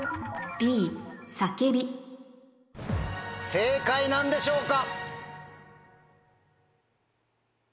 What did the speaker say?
正解なんでしょうか？